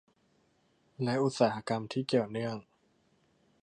และอุตสาหกรรมที่เกี่ยวเนื่อง